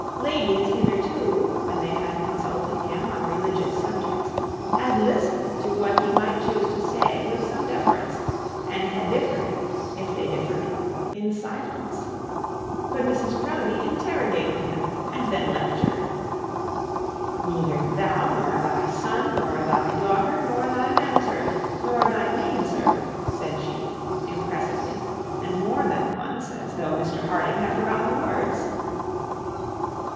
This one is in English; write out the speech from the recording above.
Ladies hitherto, when they had consulted him on religious subjects, had listened to what he might choose to say with some deference, and had differed, it they differed, in silence. But Mrs Proudie interrogated him, and then lectured. 'Neither thou, nor thy son, nor thy daughter, nor thy man servant, nor thy maid servant,' said she, impressively, and more than once, as though Mr Harding had forgotten the words.